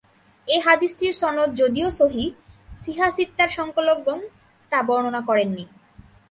এ হাদীসটির সনদ যদিও সহীহ্, সিহাহ্ সিত্তার সংকলকগণ তা বর্ণনা করেননি।